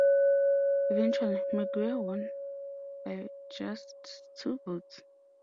Eventually McGirr won by just two votes.